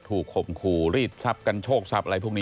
ข่มขู่รีดทรัพย์กันโชคทรัพย์อะไรพวกนี้